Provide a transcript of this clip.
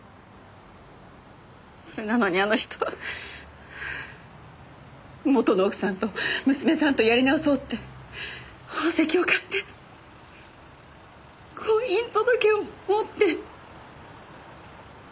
それなのにあの人元の奥さんと娘さんとやり直そうって宝石を買って婚姻届を持って。